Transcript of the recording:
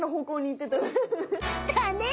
だね！